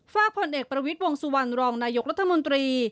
ฝากผลเอกประวิทย์วงสุวรรณรองนายกรัฐมนตรี